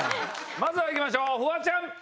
まずは行きましょうフワちゃん。